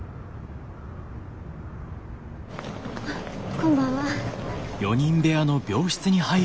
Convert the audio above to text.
こんばんは。